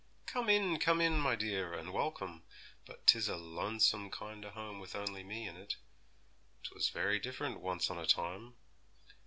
'Come in, come in, my dear, and welcome, but 'tis a lonesome kind o' home with only me in it; 'twas very different once on a time.'